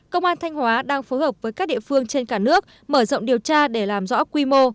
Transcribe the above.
công an thanh hóa đang phối hợp với các địa phương trên cả nước mở rộng điều tra để làm rõ quy mô